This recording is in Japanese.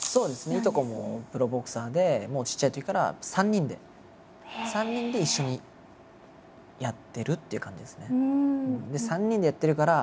いとこもプロボクサーでちっちゃいときから３人で３人で一緒にやってるっていう感じですね。